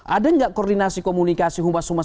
ada nggak koordinasi komunikasi humas humas